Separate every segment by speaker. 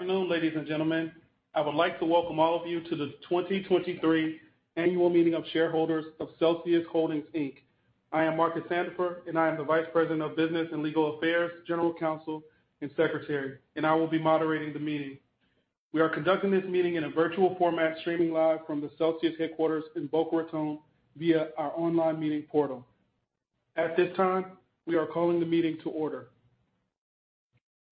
Speaker 1: Good afternoon, ladies and gentlemen. I would like to welcome all of you to the 2023 Annual Meeting of Shareholders of Celsius Holdings, Inc. I am Marcus Sandifer, and I am the Vice President of Business and Legal Affairs, General Counsel, and Secretary, and I will be moderating the meeting. We are conducting this meeting in a virtual format, streaming live from the Celsius headquarters in Boca Raton via our online meeting portal. At this time, we are calling the meeting to order.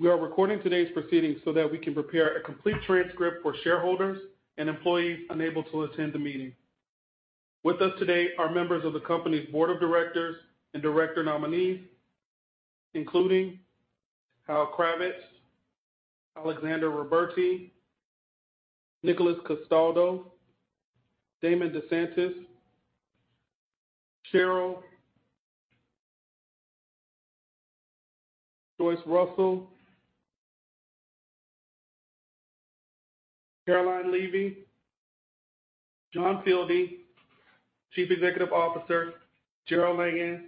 Speaker 1: We are recording today's proceedings so that we can prepare a complete transcript for shareholders and employees unable to attend the meeting. With us today are members of the company's Board of Directors and director nominees, including Hal Kravitz, Alexandre Ruberti, Nicholas Castaldo, Damon DeSantis, Cheryl, Joyce Russell, Caroline Levy, John Fieldly, Chief Executive Officer, Jarrod Langhans,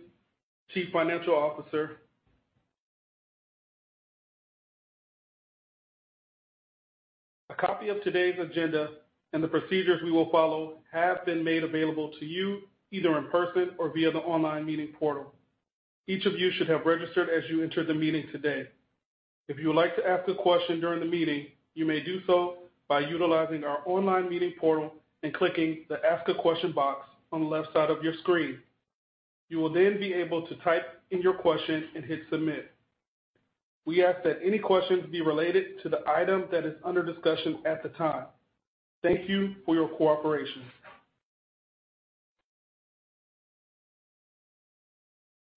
Speaker 1: Chief Financial Officer. A copy of today's agenda and the procedures we will follow have been made available to you, either in person or via the online meeting portal. Each of you should have registered as you entered the meeting today. If you would like to ask a question during the meeting, you may do so by utilizing our online meeting portal and clicking the Ask a Question box on the left side of your screen. You will then be able to type in your question and hit Submit. We ask that any questions be related to the item that is under discussion at the time. Thank you for your cooperation.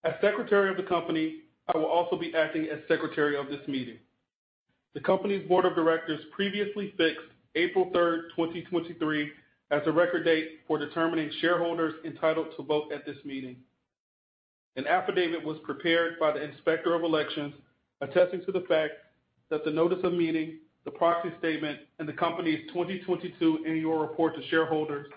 Speaker 1: As Secretary of the company, I will also be acting as Secretary of this meeting. The company's board of directors previously fixed April 3rd, 2023, as a record date for determining shareholders entitled to vote at this meeting. An affidavit was prepared by the Inspector of Elections, attesting to the fact that the notice of meeting, the proxy statement, and the company's 2022 annual report to shareholders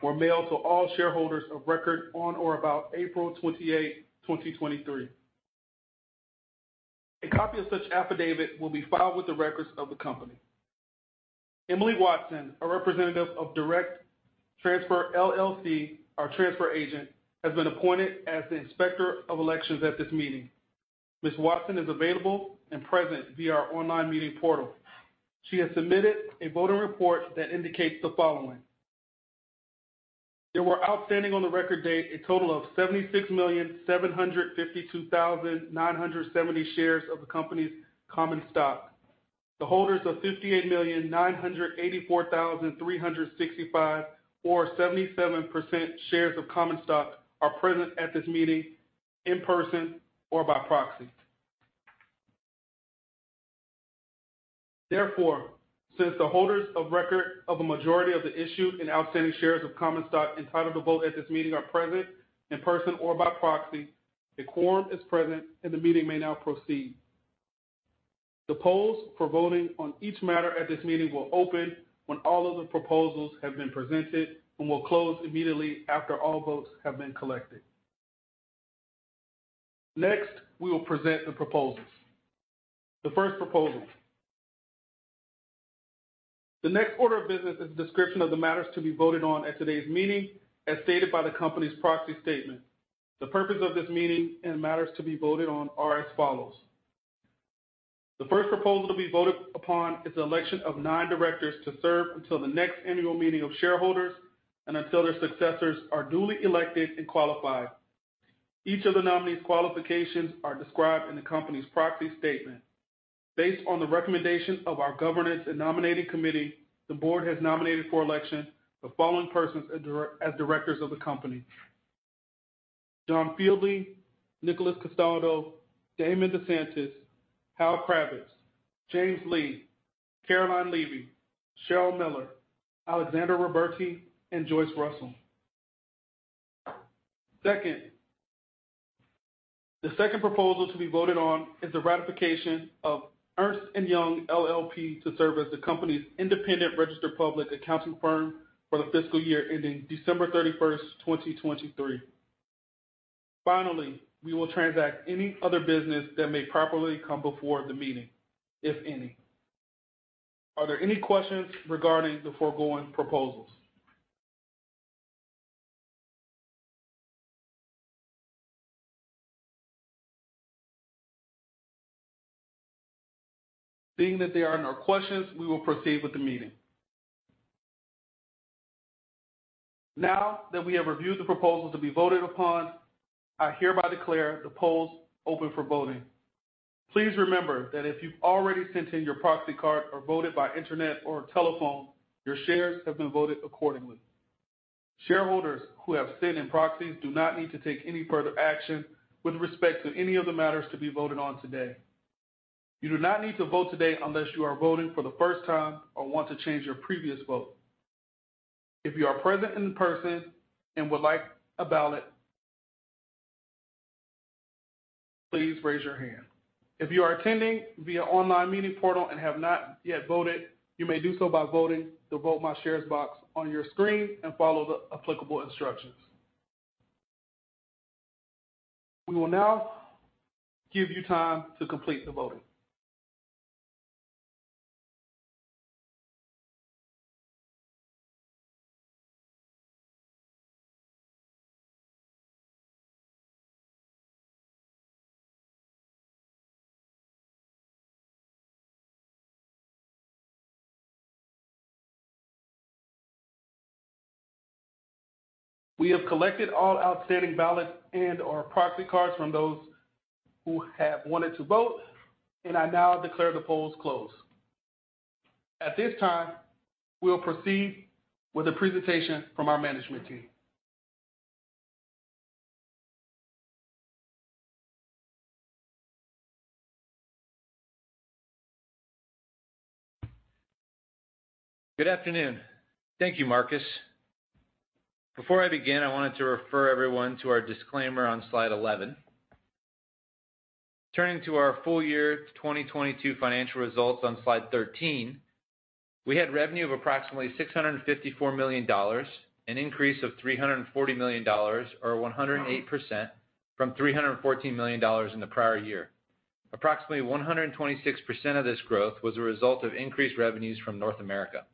Speaker 1: were mailed to all shareholders of record on or about April 28th, 2023. A copy of such affidavit will be filed with the records of the company. Emily Watson, a representative of Direct Transfer, LLC, our transfer agent, has been appointed as the Inspector of Elections at this meeting. Ms. Watson is available and present via our online meeting portal. She has submitted a voter report that indicates the following: There were outstanding on the record date, a total of 76,752,970 shares of the company's common stock. The holders of 58,984,365, or 77% shares of common stock, are present at this meeting in person or by proxy. Therefore, since the holders of record of a majority of the issued and outstanding shares of common stock entitled to vote at this meeting are present in person or by proxy, the quorum is present, and the meeting may now proceed. The polls for voting on each matter at this meeting will open when all of the proposals have been presented and will close immediately after all votes have been collected. Next, we will present the proposals. The first proposal. The next order of business is a description of the matters to be voted on at today's meeting, as stated by the company's proxy statement. The purpose of this meeting and matters to be voted on are as follows: The first proposal to be voted upon is the election of nine directors to serve until the next annual meeting of shareholders and until their successors are duly elected and qualified. Each of the nominees' qualifications are described in the company's proxy statement. Based on the recommendation of our Governance and Nominating Committee, the board has nominated for election the following persons as directors of the company: John Fieldly, Nicholas Castaldo, Damon DeSantis, Hal Kravitz, James Lee, Caroline Levy, Cheryl Miller, Alexandre Ruberti, and Joyce Russell. Second, the second proposal to be voted on is the ratification of Ernst & Young LLP to serve as the company's independent registered public accounting firm for the fiscal year ending December 31st, 2023. Finally, we will transact any other business that may properly come before the meeting, if any. Are there any questions regarding the foregoing proposals? Being that there are no questions, we will proceed with the meeting. Now that we have reviewed the proposals to be voted upon, I hereby declare the polls open for voting. Please remember that if you've already sent in your proxy card or voted by internet or telephone, your shares have been voted accordingly. Shareholders who have sent in proxies do not need to take any further action with respect to any of the matters to be voted on today. You do not need to vote today unless you are voting for the first time or want to change your previous vote. If you are present in person and would like a ballot, please raise your hand. If you are attending via online meeting portal and have not yet voted, you may do so by voting the Vote My Shares box on your screen and follow the applicable instructions. We will now give you time to complete the voting. We have collected all outstanding ballots and or proxy cards from those who have wanted to vote. I now declare the polls closed. At this time, we'll proceed with a presentation from our management team.
Speaker 2: Good afternoon. Thank you, Marcus. Before I begin, I wanted to refer everyone to our disclaimer on slide 11. Turning to our full year 2022 financial results on slide 13, we had revenue of approximately $654 million, an increase of $340 million, or 108%, from $314 million in the prior year. Approximately 126% of this growth was a result of increased revenues from North America.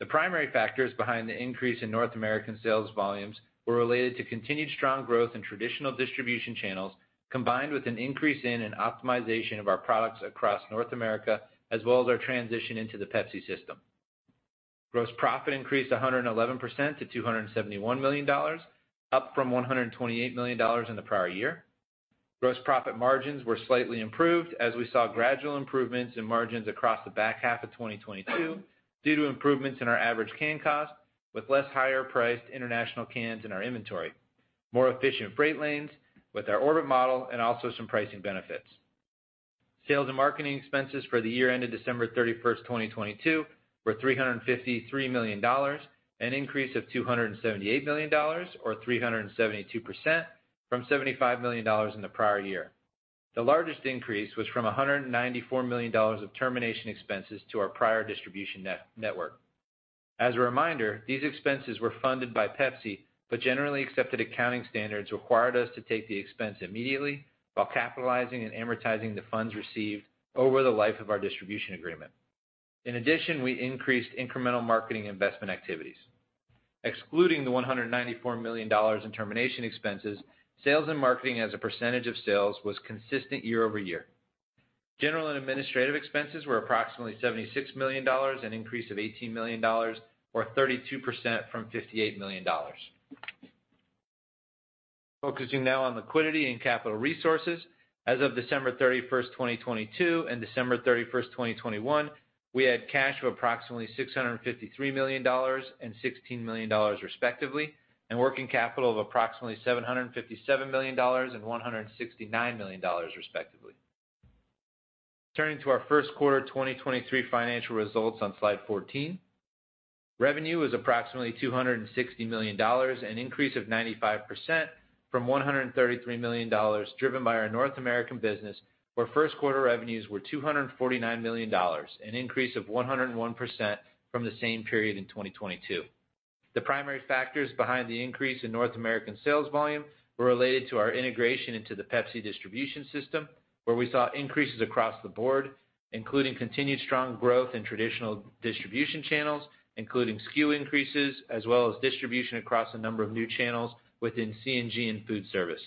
Speaker 2: The primary factors behind the increase in North American sales volumes were related to continued strong growth in traditional distribution channels, combined with an increase in and optimization of our products across North America, as well as our transition into the Pepsi system. Gross profit increased 111% to $271 million, up from $128 million in the prior year. Gross profit margins were slightly improved, as we saw gradual improvements in margins across the back half of 2022, due to improvements in our average can cost with less higher priced international cans in our inventory, more efficient freight lanes with our Orbit model, and also some pricing benefits. Sales and marketing expenses for the year ended December 31st, 2022, were $353 million, an increase of $278 million, or 372% from $75 million in the prior year. The largest increase was from $194 million of termination expenses to our prior distribution network. As a reminder, these expenses were funded by Pepsi, generally accepted accounting standards required us to take the expense immediately while capitalizing and amortizing the funds received over the life of our distribution agreement. In addition, we increased incremental marketing investment activities. Excluding the $194 million in termination expenses, sales and marketing as a percentage of sales was consistent year-over-year. General and administrative expenses were approximately $76 million, an increase of $18 million, or 32% from $58 million. Focusing now on liquidity and capital resources. As of December 31st, 2022, and December 31st, 2021, we had cash of approximately $653 million and $16 million, respectively, and working capital of approximately $757 million and $169 million, respectively. Turning to our first quarter 2023 financial results on slide 14. Revenue was approximately $260 million, an increase of 95% from $133 million, driven by our North American business, where first quarter revenues were $249 million, an increase of 101% from the same period in 2022. The primary factors behind the increase in North American sales volume were related to our integration into the Pepsi distribution system, where we saw increases across the board, including continued strong growth in traditional distribution channels, including SKU increases, as well as distribution across a number of new channels within C&G and food service.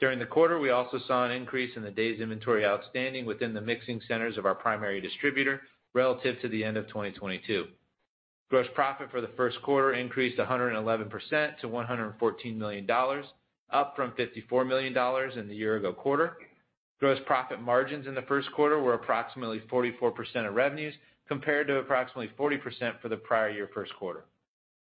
Speaker 2: During the quarter, we also saw an increase in the days inventory outstanding within the mixing centers of our primary distributor relative to the end of 2022. Gross profit for the first quarter increased 111% to $114 million, up from $54 million in the year ago quarter. Gross profit margins in the first quarter were approximately 44% of revenues, compared to approximately 40% for the prior year first quarter.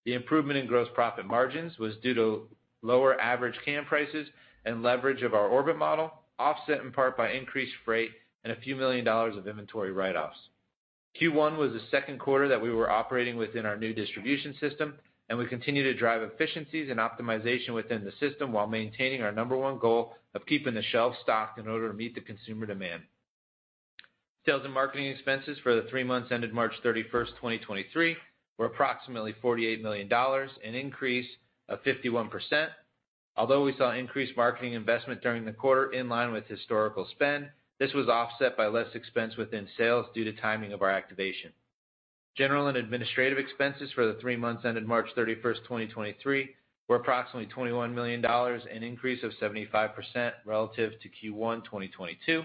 Speaker 2: The improvement in gross profit margins was due to lower average can prices and leverage of our Orbit model, offset in part by increased freight and a few million dollars of inventory write-offs. Q1 was the second quarter that we were operating within our new distribution system. We continue to drive efficiencies and optimization within the system while maintaining our number one goal of keeping the shelf stocked in order to meet the consumer demand. Sales and marketing expenses for the three months ended March 31st, 2023, were approximately $48 million, an increase of 51%. Although we saw increased marketing investment during the quarter in line with historical spend, this was offset by less expense within sales due to timing of our activation. General and administrative expenses for the three months ended March 31st, 2023, were approximately $21 million, an increase of 75% relative to Q1, 2022.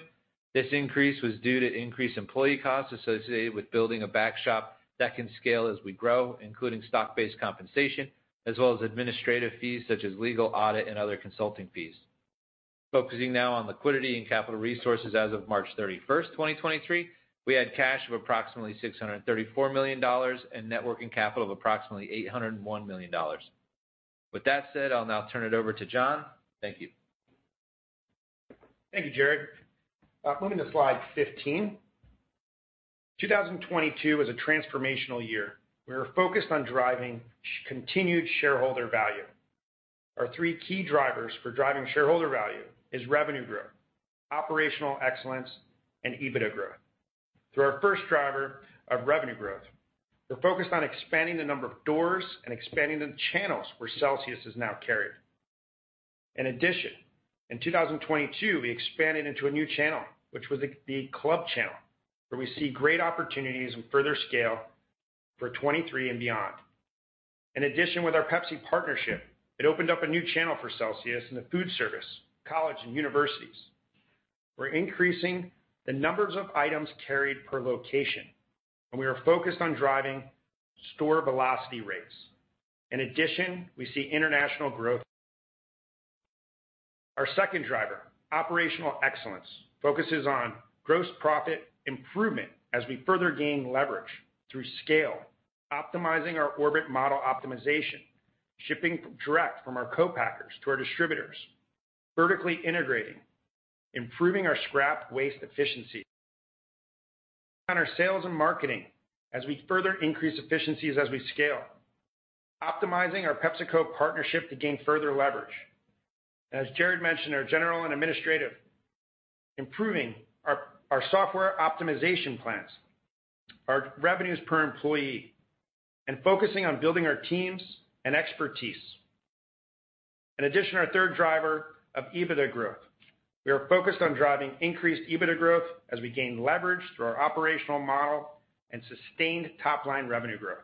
Speaker 2: This increase was due to increased employee costs associated with building a back shop that can scale as we grow, including stock-based compensation, as well as administrative fees such as legal, audit, and other consulting fees. Focusing now on liquidity and capital resources. As of March 31st, 2023, we had cash of approximately $634 million and net working capital of approximately $801 million. With that said, I'll now turn it over to John. Thank you.
Speaker 3: Thank you, Jarrod. Moving to slide 15. 2022 was a transformational year. We were focused on driving continued shareholder value. Our three key drivers for driving shareholder value is revenue growth, operational excellence, and EBITDA growth. Through our first driver of revenue growth, we're focused on expanding the number of doors and expanding the channels where Celsius is now carried. In addition, in 2022, we expanded into a new channel, which was the club channel, where we see great opportunities and further scale for 2023 and beyond. In addition, with our Pepsi partnership, it opened up a new channel for Celsius in the food service, college, and universities. We're increasing the numbers of items carried per location, and we are focused on driving store velocity rates. In addition, we see international growth. Our second driver, operational excellence, focuses on gross profit improvement as we further gain leverage through scale, optimizing our Orbit model optimization, shipping direct from our co-packers to our distributors, vertically integrating, improving our scrap waste efficiency on our sales and marketing as we further increase efficiencies as we scale, optimizing our Pepsi partnership to gain further leverage. As Jarrod mentioned, our general and administrative, improving our software optimization plans, our revenues per employee, and focusing on building our teams and expertise. In addition, our third driver of EBITDA growth. We are focused on driving increased EBITDA growth as we gain leverage through our operational model and sustained top-line revenue growth.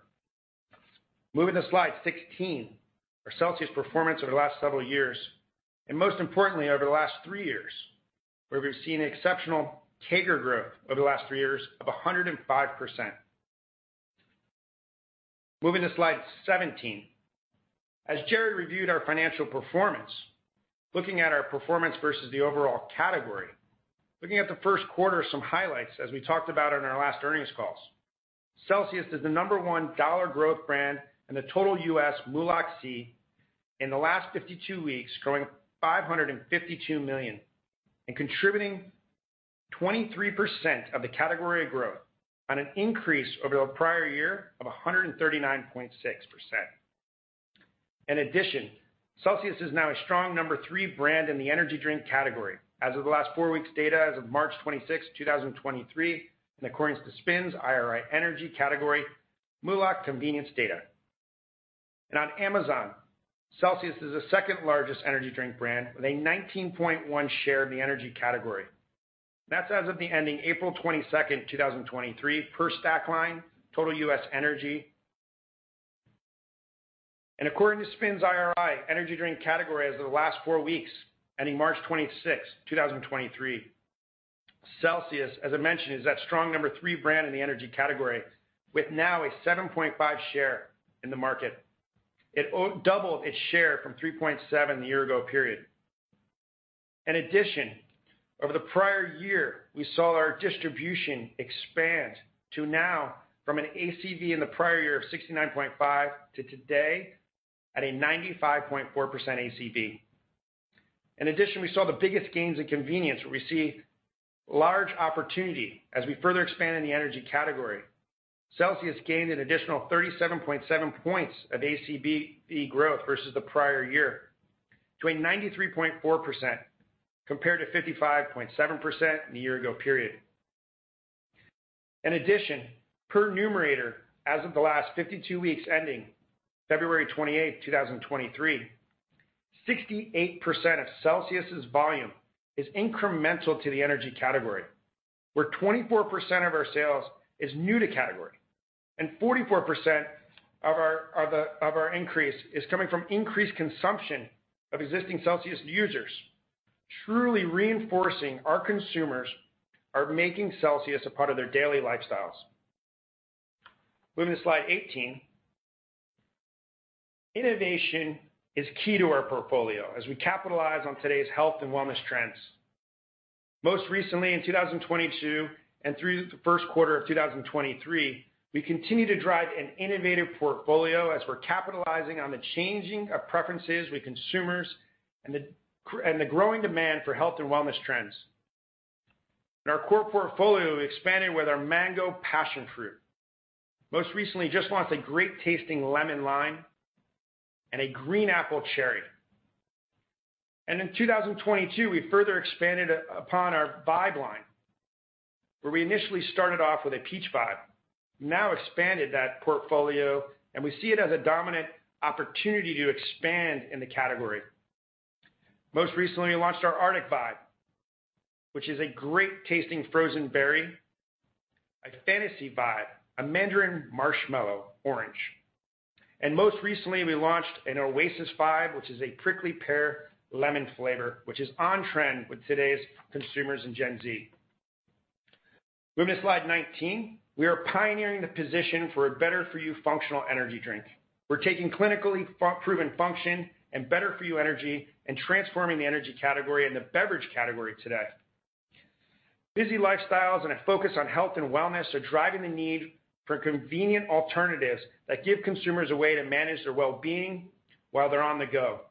Speaker 3: Moving to slide 16, our Celsius performance over the last several years, and most importantly, over the last three years, where we've seen exceptional CAGR growth over the last three years of 105%. Moving to slide 17. As Jarrod reviewed our financial performance, looking at our performance versus the overall category, looking at the first quarter, some highlights as we talked about on our last earnings calls. Celsius is the number one dollar growth brand in the total U.S. MULO+C in the last 52 weeks, growing $552 million and contributing 23% of the category growth on an increase over the prior year of 139.6%. In addition, Celsius is now a strong number three brand in the energy drink category as of the last four weeks data as of March 26th, 2023, and according to SPINS IRI Energy category, MULO Convenience Data. On Amazon, Celsius is the second-largest energy drink brand, with a 19.1 share of the energy category. That's as of the ending April 22nd, 2023, per Stackline, total U.S. energy. According to SPINS IRI, energy drink category as of the last four weeks, ending March 26th, 2023. Celsius, as I mentioned, is that strong number three brand in the energy category, with now a 7.5% share in the market. It doubled its share from 3.7% a year ago period. In addition, over the prior year, we saw our distribution expand to now from an ACV in the prior year of 69.5% to today at a 95.4% ACV. In addition, we saw the biggest gains in convenience, where we see large opportunity as we further expand in the energy category. Celsius gained an additional 37.7 points of ACV growth versus the prior year, to a 93.4%, compared to 55.7% in the year ago period. Per Numerator, as of the last 52 weeks, ending February 28th, 2023, 68% of Celsius's volume is incremental to the energy category, where 24% of our sales is new to category and 44% of our increase is coming from increased consumption of existing Celsius users, truly reinforcing our consumers are making Celsius a part of their daily lifestyles. Moving to slide 18. Innovation is key to our portfolio as we capitalize on today's health and wellness trends. Most recently, in 2022 and through the first quarter of 2023, we continue to drive an innovative portfolio as we're capitalizing on the changing of preferences with consumers and the growing demand for health and wellness trends. Our core portfolio expanded with our Mango Passionfruit. Most recently, just launched a great-tasting Lemon Lime and a Green Apple Cherry. In 2022, we further expanded upon our Vibe line, where we initially started off with a Peach Vibe, now expanded that portfolio, and we see it as a dominant opportunity to expand in the category. Most recently, we launched our Arctic Vibe, which is a great-tasting frozen berry, a Fantasy Vibe, a mandarin marshmallow orange. Most recently, we launched an Oasis Vibe, which is a prickly pear lemon flavor, which is on trend with today's consumers in Gen Z. Moving to slide 19. We are pioneering the position for a better-for-you functional energy drink. We're taking clinically proven function and better-for-you energy and transforming the energy category and the beverage category today. Busy lifestyles and a focus on health and wellness are driving the need for convenient alternatives that give consumers a way to manage their well-being while they're on the go.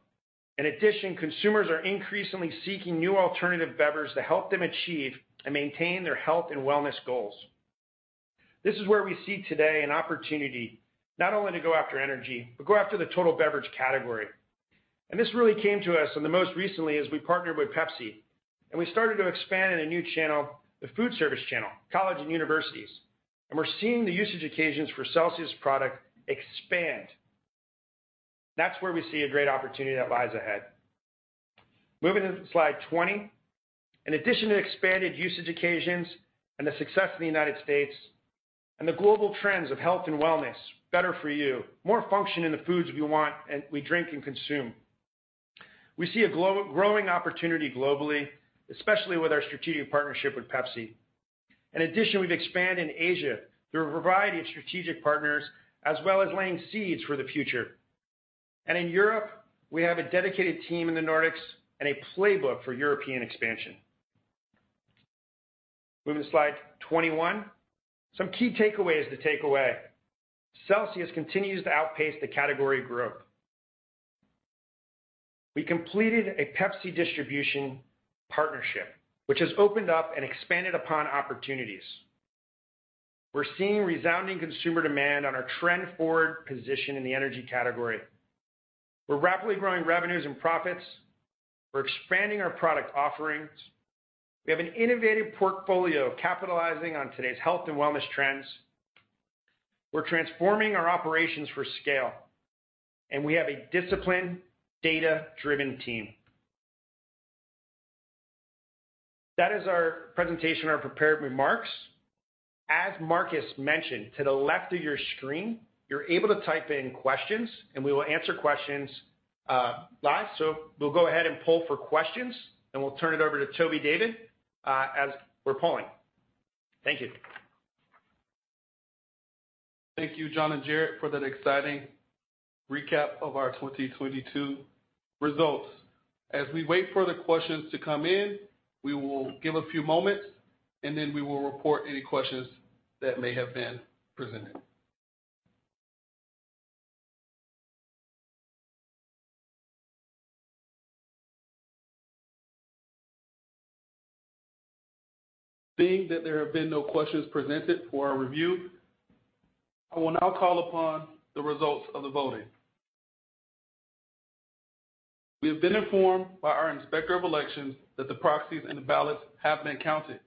Speaker 3: In addition, consumers are increasingly seeking new alternative beverages to help them achieve and maintain their health and wellness goals. This is where we see today an opportunity not only to go after energy, but go after the total beverage category. This really came to us, and the most recently, as we partnered with Pepsi, and we started to expand in a new channel, the food service channel, college and universities. We're seeing the usage occasions for Celsius product expand. That's where we see a great opportunity that lies ahead. Moving to slide 20. In addition to expanded usage occasions and the success in the United States and the global trends of health and wellness, better for you, more function in the foods we want and we drink and consume. We see a growing opportunity globally, especially with our strategic partnership with Pepsi. In addition, we've expanded in Asia through a variety of strategic partners, as well as laying seeds for the future. In Europe, we have a dedicated team in the Nordics and a playbook for European expansion. Moving to slide 21. Some key takeaways to take away. Celsius continues to outpace the category growth. We completed a Pepsi distribution partnership, which has opened up and expanded upon opportunities. We're seeing resounding consumer demand on our trend forward position in the energy category. We're rapidly growing revenues and profits. We're expanding our product offerings. We have an innovative portfolio of capitalizing on today's health and wellness trends. We're transforming our operations for scale, and we have a disciplined, data-driven team. That is our presentation, our prepared remarks. As Marcus mentioned, to the left of your screen, you're able to type in questions, and we will answer questions live. We'll go ahead and poll for questions, and we'll turn it over to Toby David as we're polling. Thank you.
Speaker 4: Thank you, John and Jarrod, for that exciting recap of our 2022 results. As we wait for the questions to come in, we will give a few moments, and then we will report any questions that may have been presented. Seeing that there have been no questions presented for our review, I will now call upon the results of the voting. We have been informed by our Inspector of Elections that the proxies and the ballots have been counted.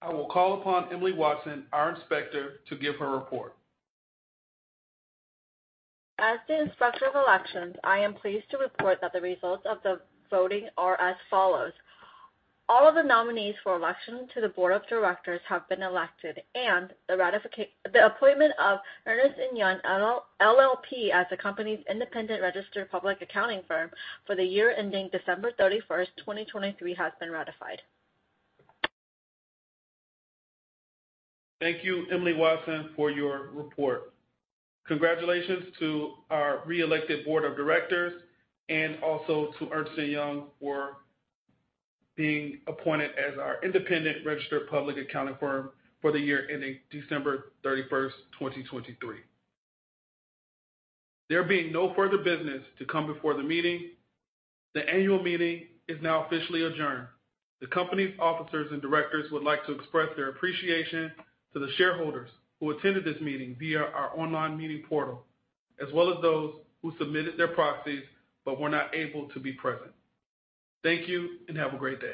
Speaker 4: I will call upon Emily Watson, our inspector, to give her report.
Speaker 5: As the Inspector of Elections, I am pleased to report that the results of the voting are as follows: All of the nominees for election to the board of directors have been elected, and the appointment of Ernst & Young LLP, as the company's independent registered public accounting firm for the year ending December 31st, 2023, has been ratified.
Speaker 4: Thank you, Emily Watson, for your report. Congratulations to our reelected board of directors and also to Ernst & Young LLP for being appointed as our independent registered public accounting firm for the year ending December 31st, 2023. There being no further business to come before the meeting, the annual meeting is now officially adjourned. The company's officers and directors would like to express their appreciation to the shareholders who attended this meeting via our online meeting portal, as well as those who submitted their proxies but were not able to be present. Thank you and have a great day.